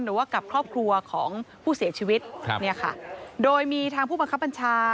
หรือว่ากับครอบครัวของผู้เสียชีวิตครับเนี่ยค่ะโดยมีทางผู้บังคับบัญชา